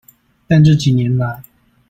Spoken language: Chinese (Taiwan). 但這幾年來